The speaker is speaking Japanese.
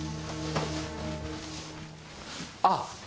あっ！